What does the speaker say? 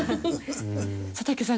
佐竹さん